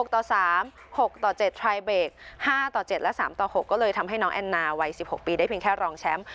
ต่อ๓๖ต่อ๗ทรายเบรก๕ต่อ๗และ๓ต่อ๖ก็เลยทำให้น้องแอนนาวัย๑๖ปีได้เพียงแค่รองแชมป์